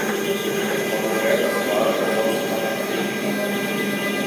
Uma mulher tatuada coloca um capacete de moto.